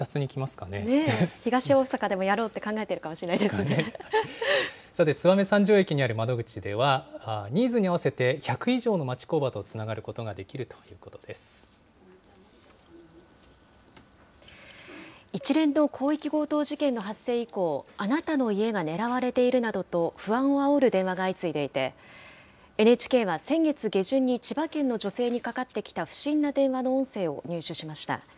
東大阪でもやろうって考えてさて、燕三条駅にある窓口では、ニーズに合わせて、１００以上の町工場とつながることができ一連の広域強盗事件の発生以降、あなたの家が狙われているなどと不安をあおる電話が相次いでいて、ＮＨＫは先月下旬に千葉県の女性にかかってきた不審な電話の音声を入手しました。